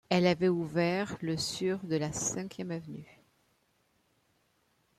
Elle avait ouvert le sur de la Cinquième avenue.